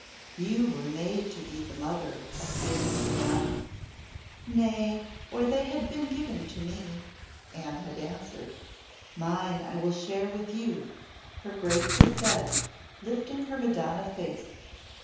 "You were made to be the mother of things, Anne." "Nay, or they had been given to me," Anne had answered. "Mine I will share with you," her Grace had said, lifting her Madonna face.